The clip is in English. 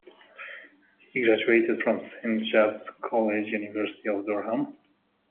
He graduated from Saint Chad's College, University of Durham.